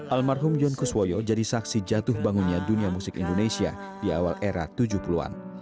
almarhum john kuswoyo jadi saksi jatuh bangunnya dunia musik indonesia di awal era tujuh puluh an